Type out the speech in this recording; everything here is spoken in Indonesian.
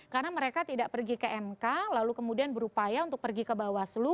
karena mereka tidak pergi ke mk lalu kemudian berupaya untuk pergi ke bawaslu